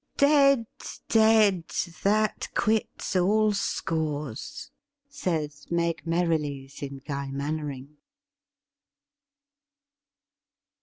' Dead, dead ! That quits all scores,' says Meg Merrilies in ' Guy Mannering.''